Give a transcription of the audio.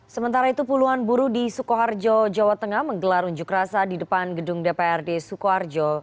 sementara itu puluhan buruh di sukoharjo jawa tengah menggelar unjuk rasa di depan gedung dprd sukoharjo